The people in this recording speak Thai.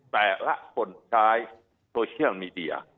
แต่ละผลท้ายโทเชียลมีเดีย